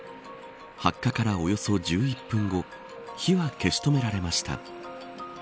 発火から、およそ１１分後火は消し止められました。